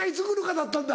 だったんだ。